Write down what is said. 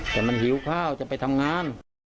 แต่มันหิวข้าวจะไปทำงาน